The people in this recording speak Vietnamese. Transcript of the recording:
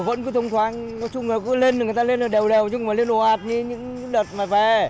ừ vẫn cứ thông thoáng nói chung là cứ lên người ta lên đều đều chung mà lên đồ hạt như những đợt mà về